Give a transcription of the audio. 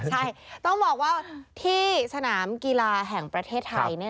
ใช่ต้องบอกว่าที่สนามกีฬาแห่งประเทศไทย